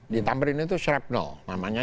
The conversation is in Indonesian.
di tamrin itu serepno namanya